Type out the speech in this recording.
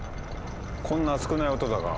こんな少ない音だが。